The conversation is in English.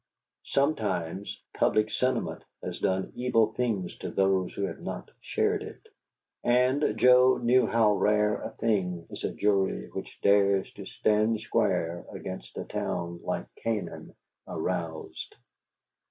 Sometimes "public sentiment" has done evil things to those who have not shared it; and Joe knew how rare a thing is a jury which dares to stand square against a town like Canaan aroused.